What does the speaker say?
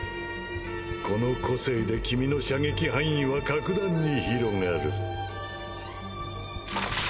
この個性で君の射撃範囲は格段に広がる